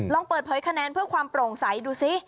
ลองเปิดเผยคะแนนเพื่อความโปร่งใสดูซิ